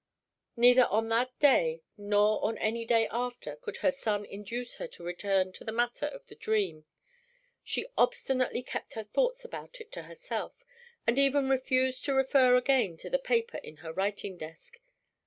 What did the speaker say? Neither on that day nor on any day after could her son induce her to return to the matter of the dream. She obstinately kept her thoughts about it to herself, and even refused to refer again to the paper in her writing desk.